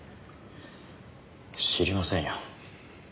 知りませんよ。